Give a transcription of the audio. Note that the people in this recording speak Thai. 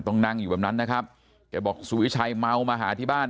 นั่งอยู่แบบนั้นนะครับแกบอกสุวิชัยเมามาหาที่บ้าน